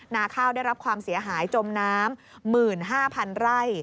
นาข้าวได้รับความเสียหายจมน้ำ๑๕๐๐๐ไร่